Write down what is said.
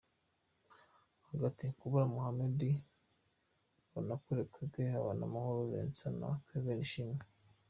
Hagati:Kabura Muhammed, Banakure Ndekwe, Habamahoro Vincent na kevin Ishimwe.